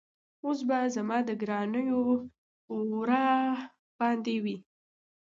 اوس به زما د ګریوان وره باندې هم